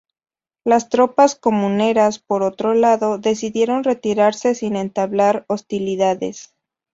Las tropas comuneras, por otro lado, decidieron retirarse sin entablar hostilidades.